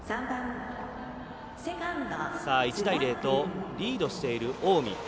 １対０とリードしている近江。